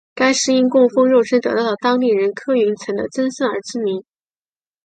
该寺因供奉肉身得道的当地人柯云尘的真身而知名。